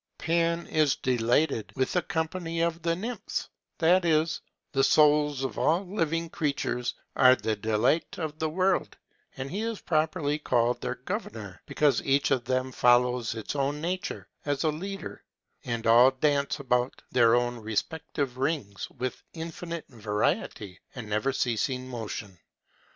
Pan is delighted with the company of the Nymphs, that is, the souls of all living creatures are the delight of the world; and he is properly called their governor, because each of them follows its own nature, as a leader, and all dance about their own respective rings, with infinite variety and never ceasing motion.